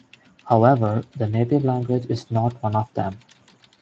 However, the native language is not one of them.